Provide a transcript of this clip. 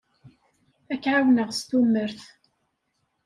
Ad k-ɛawneɣ s tumert.